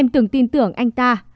em từng tin tưởng anh ta